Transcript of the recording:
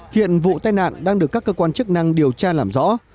hiện vụ tai nạn đang được các cơ quan chức năng điều tra làm rõ